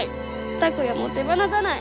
拓哉も手放さない。